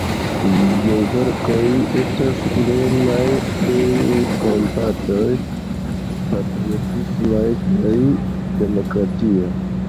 Liaj verkoj estas plenaj de kompato, patriotismo kaj demokratio.